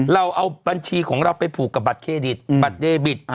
เราเอาบัญชีของเราไปผูกกับบัตรเครดิตบัตรเดบิต